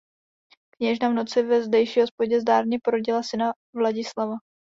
Kněžna v noci ve zdejší hospodě zdárně porodila syna Vladislava.